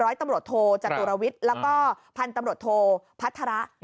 ร้อยตำรวจโทจตุรวิทย์แล้วก็พันธุ์ตำรวจโทพัฒระ